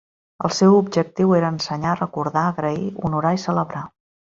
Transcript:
El seu objectiu era ensenyar, recordar, agrair, honorar i celebrar.